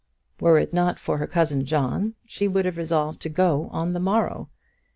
Were it not for her cousin John, she would have resolved to go on the morrow.